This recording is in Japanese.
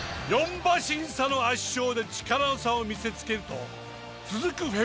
４馬身差の圧勝で力の差を見せつけると続く